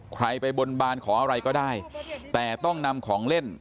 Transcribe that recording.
ใครไปบนบานขออะไรก็ได้แต่ต้องนำของเล่น